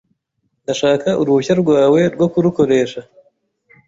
Ndashaka uruhushya rwawe rwo kurukoresha .